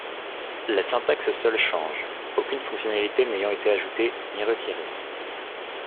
La syntaxe seule change, aucune fonctionnalité n'ayant été ajoutée ni retirée.